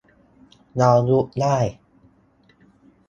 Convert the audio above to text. เรา ยุบได้